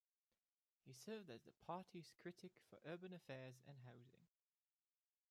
He served as the party's critic for urban affairs and housing.